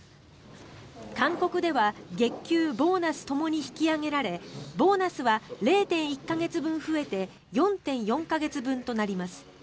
勧告では月給、ボーナスともに引き上げられボーナスは０．１か月分増えて４．４か月分となります。